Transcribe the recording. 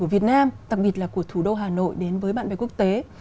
ở việt nam đặc biệt là của thủ đô hà nội đến với bạn bè quốc tế